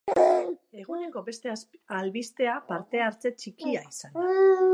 Eguneko beste albistea parte-hartze txikia izan da.